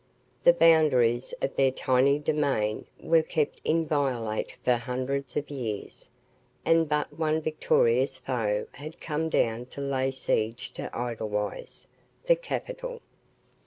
The boundaries of their tiny domain were kept inviolate for hundreds of years, and but one victorious foe had come down to lay siege to Edelweiss, the capital.